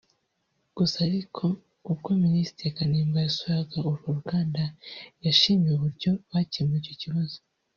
Gusa ariko ubwo Minisitiri Kanimba yasuraga urwo ruganda yashimye uburyo bakemuye icyo kibazo